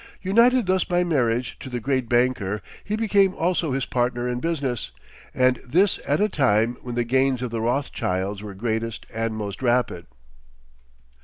United thus by marriage to the great banker, he became also his partner in business, and this at a time when the gains of the Rothschilds were greatest and most rapid.